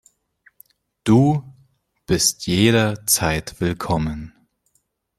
Du bist jederzeit willkommen.